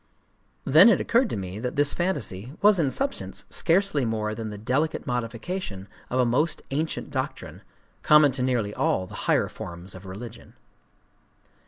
Then it occurred to me that this fantasy was in substance scarcely more than the delicate modification of a most ancient doctrine, common to nearly all the higher forms of religion.